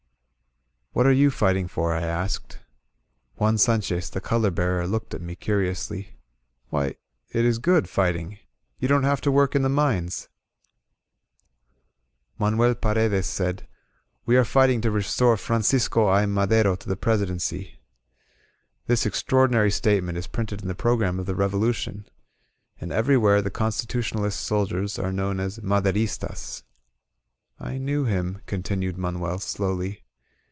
"What are you fighting for?" I asked. Juan San chez, the color bearer, looked at me curiously. "Why, it is good, fighting. You don't have to work in the mines '''••• Manuel Paredes said: We are fighting to restore Francisco I. Madero to the Presidency." This ex traordinary statement is printed in the program of the Revolution. And everywhere the Constitutionalist soldiers are known as "Maderistas." "I knew him," continued Manuel, slowly.